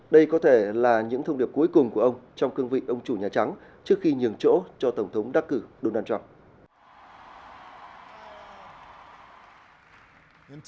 đây có thể là những thông điệp cuối cùng của ông trong cương vị ông chủ nhà trắng trước khi nhường chỗ cho tổng thống đắc cử donald trump